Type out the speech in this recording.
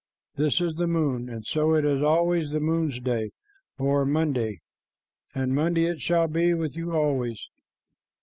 This is the moon, and so it is always the moon's day, or Monday, and Monday it shall be with you always.